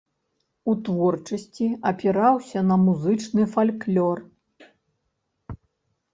У творчасці апіраўся на музычны фальклор.